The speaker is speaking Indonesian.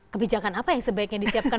kebijakan apa yang sebaiknya disiapkan